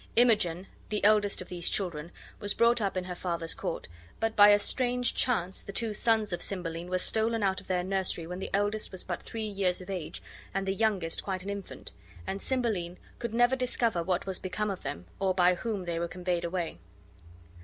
Imogen, the eldest of these children, was brought up in her father's court; but by a strange chance the two sons of Cymbeline were stolen out of their nursery when the eldest was but three years of age and the youngest quite an infant; and Cymbeline could never discover what was become of them or by whom they were conveyed away.